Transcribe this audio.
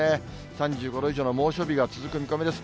３５度以上の猛暑日も続く見込みです。